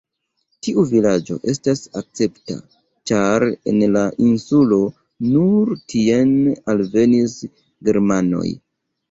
Tiu vilaĝo estas escepta, ĉar en la insulo nur tien alvenis germanoj.